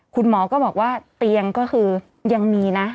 คุณหมอก็บอกว่าเตียงก็คือยังมีนะ